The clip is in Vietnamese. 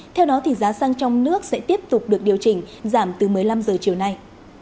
theo đó giá xăng trong nước sẽ tiếp tục được điều chỉnh giảm từ một mươi năm h chiều nay